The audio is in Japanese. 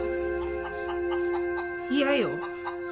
嫌よ。